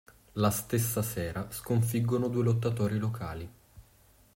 La stessa sera, sconfiggono due lottatori locali.